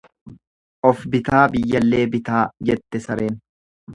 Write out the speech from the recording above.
Ofbitaa biyyallee bitaa jette sareen.